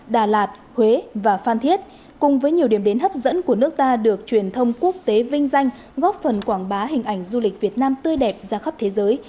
đà lạt huế và phan thiết cùng với nhiều điểm đến hấp dẫn của nước ta được truyền thông quốc tế vinh danh góp phần quảng bá hình ảnh du lịch việt nam tươi đẹp ra khắp thế giới